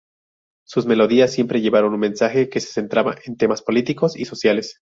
Sus melodías siempre llevaron un mensaje que se centraba en temas políticos y sociales.